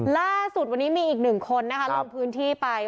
ล่าสุดวันนี้มีอีกหนึ่งคนนะคะลงพื้นที่ไป